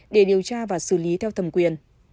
để điều tra và xử lý theo thầm quyền